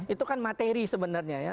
itu kan materi sebenarnya ya